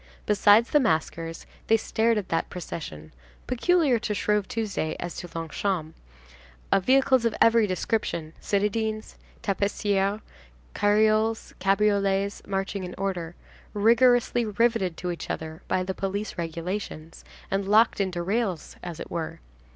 Besides the maskers, they stared at that procession—peculiar to Shrove Tuesday as to Longchamps,—of vehicles of every description, citadines, tapissières, carioles, cabriolets marching in order, rigorously riveted to each other by the police regulations, and locked into rails, as it were.